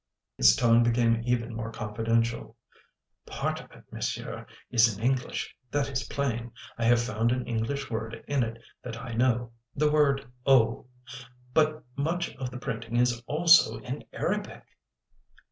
His tone became even more confidential. "Part of it, monsieur, is in English; that is plain. I have found an English word in it that I know the word 'O.' But much of the printing is also in Arabic."